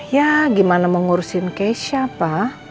ya gimana mengurusin keisha pa